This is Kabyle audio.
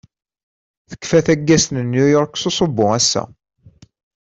Tekfa taggazt n New York s usubbu ass-a.